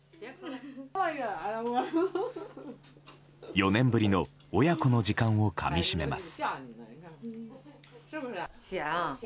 ４年ぶりの親子の時間をかみしめます。